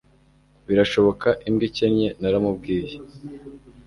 Birashoboka imbwa ikennye naramubwiye